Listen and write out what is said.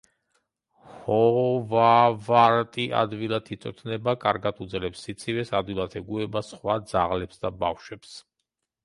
ჰოვავარტი ადვილად იწვრთნება, კარგად უძლებს სიცივეს, ადვილად ეგუება სხვა ძაღლებს და ბავშვებს.